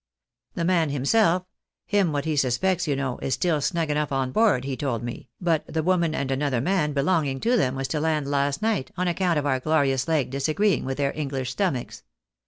The man himself, him what be suspects, you know, is still snug enough on board, he told me, but the woman and another man belonging to them was to land last night, on account of our glorious lake disagreeing with their English stomachs.